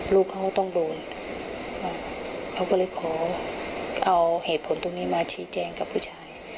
ลูกเขาต้องโดนเขาก็เลยขอเอาเหตุผลตรงนี้มาชี้แจงกับผู้ชาย